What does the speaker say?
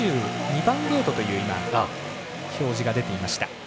２２番ゲートという表示が出ていました。